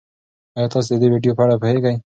ایا تاسي د دې ویډیو په اړه پوهېږئ؟